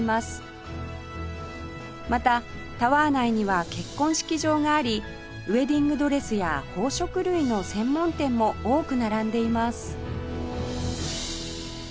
またタワー内には結婚式場がありウェディングドレスや宝飾類の専門店も多く並んでいます